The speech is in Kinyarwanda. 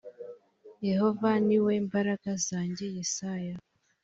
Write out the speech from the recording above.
yehova ni we mbaraga zanjye yesaya